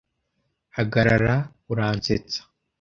Hagarara. Uransetsa.